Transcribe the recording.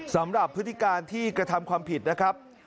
พฤติการที่กระทำความผิดนะครับ